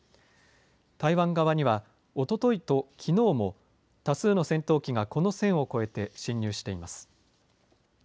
台湾側には、おとといときのうも、多数の戦闘機がこの線を越えて進入しています。